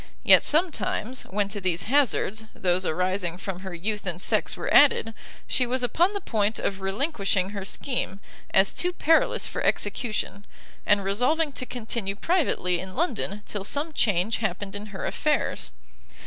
Yet sometimes, when to these hazards, those arising from her youth and sex were added, she was upon the point of relinquishing her scheme, as too perilous for execution, and resolving to continue privately in London till some change happened in her affairs.